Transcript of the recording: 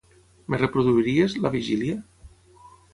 Em reproduiries "La vigília"?